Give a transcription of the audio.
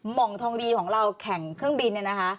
หมองทองดีของเราแข่งเครื่องบินเนี่ยนะคะ